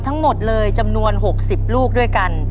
ทั้งหมดเลยจำนวน๖๐ลูกด้วยกัน